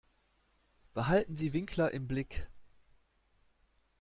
Behalten Sie Winkler im Blick.